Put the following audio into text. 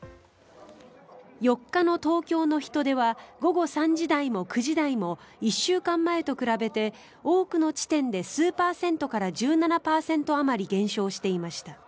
４日の東京の人出は午後３時台も９時台も１週間前と比べて多くの地点で数パーセントから１７％あまり減少していました。